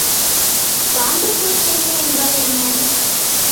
காந்தப்புலச் செறிவு என்றால் என்ன?